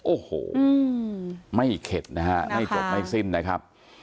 โอ้โหไม่เข็ดนะฮะไม่จบไม่สิ้นนะครับ